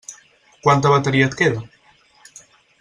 Quanta bateria et queda?